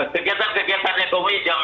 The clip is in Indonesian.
kegiatan kegiatan ekonomi jam enam